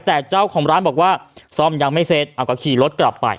แต่เจ้าของร้านบอกว่าซ่อมยังไม่เสร็จเอาก็ขี่รถกลับไป